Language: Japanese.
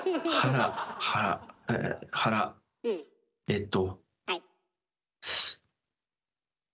えっと。